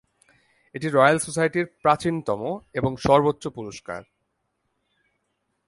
এটি রয়েল সোসাইটির প্রাচীনতম এবং সর্বোচ্চ পুরস্কার।